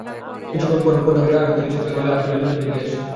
কিছুক্ষণ পর পণ্যাগারে আগুন দেখে চিৎকার করলে আশপাশের লোকজন এগিয়ে আসে।